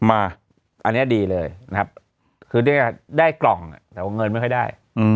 อันนี้ดีเลยนะครับคือได้กล่องแต่เงินไม่ค่อยได้